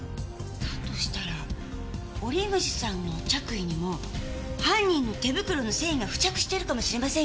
だとしたら折口さんの着衣にも犯人の手袋の繊維が付着してるかもしれませんよね！？